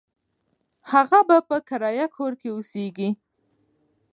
هغه به په کرایه کور کې اوسیږي.